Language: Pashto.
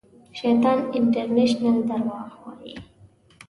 شیطان انټرنېشنل درواغ وایي